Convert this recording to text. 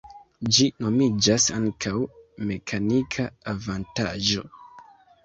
Ĝi nomiĝas ankaŭ mekanika avantaĝo.